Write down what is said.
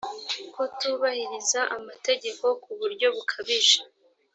kutubahiriza amategeko ku buryo bukabije